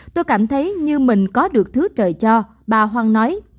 tôi cảm thấy như mình có được thứ trời cho bà hoang nói